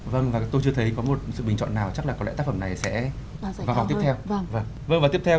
vâng và tôi chưa thấy có một sự bình chọn nào chắc là có lẽ tác phẩm này sẽ vào học tiếp theo